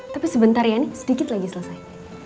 tapi sebentar ya ini sedikit lagi selesai